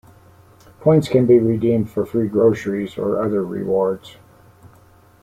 Points can be redeemed for free groceries or other rewards.